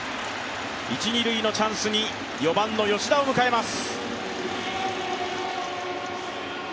一・二塁のチャンスに４番の吉田を迎えます。